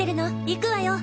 行くわよ！